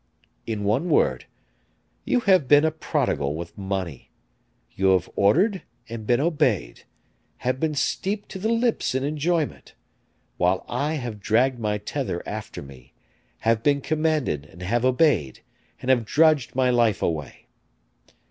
In one word, you have been a prodigal with money, you have ordered and been obeyed have been steeped to the lips in enjoyment; while I have dragged my tether after me, have been commanded and have obeyed, and have drudged my life away.